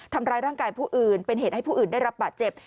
ทำร้ายร่างกายผู้อื่นเป็นเหตุให้ผู้อื่นได้รับบาดเจ็บ